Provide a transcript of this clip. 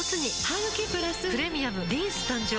ハグキプラス「プレミアムリンス」誕生